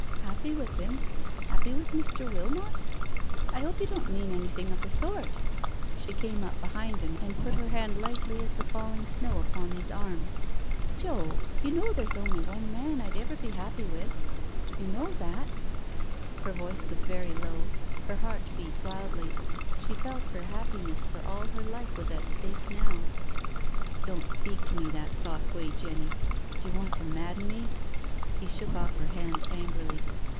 " Happy with him? Happy with Mr. Wilmot? I hope you don't mean anything of the sort." She came up behind him and put her hand lightly as the falling snow, upon his arm. " Joe, you know there's only one man I'd ever be happy with — you know that?" Her voice was very low — her heart beat wildly. She felt her happiness for all her life was at stake now. " Don't speak to me that soft way, Jenny. Do you want to madden me?" He shook off her hand angrily.